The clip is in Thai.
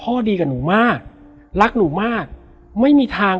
แล้วสักครั้งหนึ่งเขารู้สึกอึดอัดที่หน้าอก